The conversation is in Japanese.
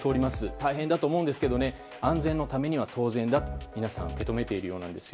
大変だと思うんですが安全のためには当然だと皆さん受け止めているようなんです。